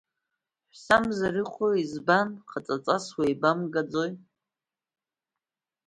Ҳәсамзар иҟои, избан, хаҵаҵас уеибамгаӡои?